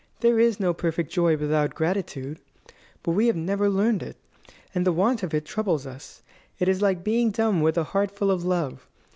There is no perfect joy without gratitude. But we have never learned it, and the want of it troubles us. It is like being dumb with a heart full of love.